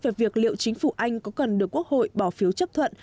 về việc liệu chính phủ anh có cần được quốc hội bỏ phiếu chấp thuận